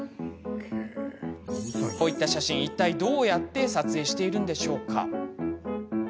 こういった写真、どうやって撮影しているんでしょうか。